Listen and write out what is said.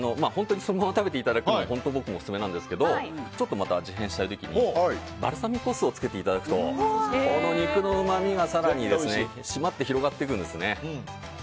そのまま食べていただくのが本当は僕もオススメなんですけど味変したい時にバルサミコ酢をつけていただくと、肉の甘みが更に締まって広がっていくんです。